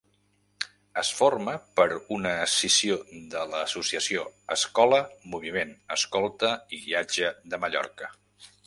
Es formà per una escissió de l'associació escolta Moviment Escolta i Guiatge de Mallorca.